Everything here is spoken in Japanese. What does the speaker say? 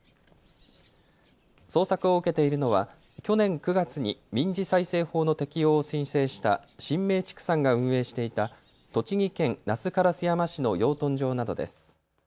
捜索を受けているのは去年９月に民事再生法の適用を申請した神明畜産が運営していた栃木県那須烏山市の養豚場などです。